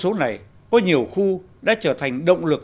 số này có nhiều khu đã trở thành động lực